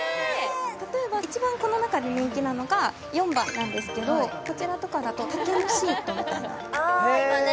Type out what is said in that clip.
例えば一番この中で人気なのが４番なんですけどこちらとかだと竹のシートみたいな今ね